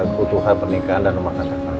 ketuhan pernikahan dan rumah kandang kandang